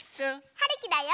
はるきだよ！